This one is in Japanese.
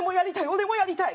俺もやりたい！」